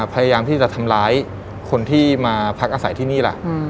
พยายามที่จะทำร้ายคนที่มาพักอาศัยที่นี่ล่ะ